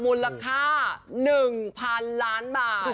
มูลค่า๑๐๐๐ล้านบาท